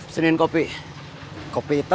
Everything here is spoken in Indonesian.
gimana ada tempat yang kann burns ada